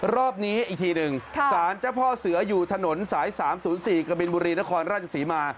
รอบนี้อีกทีหนึ่งสารเจ้าพ่อเสืออยู่ถนนสาย๓๐๔กบินบุรีนครราชศรีมา